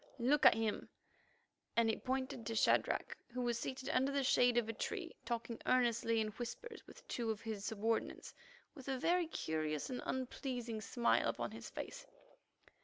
"Look, at him," and he pointed to Shadrach, who was seated under the shade of a tree, talking earnestly in whispers with two of his subordinates with a very curious and unpleasing smile upon his face.